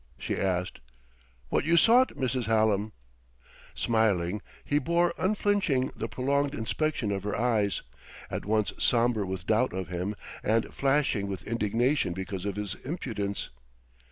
she asked. "What you sought, Mrs. Hallam." Smiling, he bore unflinching the prolonged inspection of her eyes, at once somber with doubt of him and flashing with indignation because of his impudence.